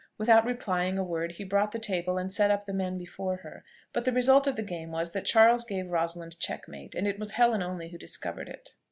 Without replying a word, he brought the table and set up the men before her; but the result of the game was, that Charles gave Rosalind checkmate, and it was Helen only who discovered it.